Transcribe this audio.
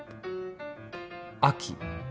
秋。